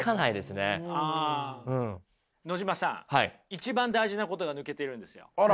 一番大事なことが抜けているんですよ。